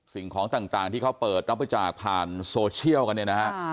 สิ่งของต่างที่เขาเปิดรับบริจาคผ่านโซเชียลกันเนี่ยนะฮะ